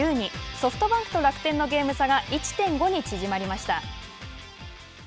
ソフトバンクと楽天のゲーム差が１．５に縮まりました。